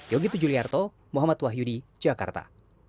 yogyakarta muhammad wahyudi jakarta